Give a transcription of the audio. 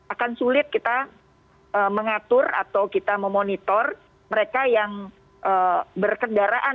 akan sulit kita mengatur atau kita memonitor mereka yang berkendaraan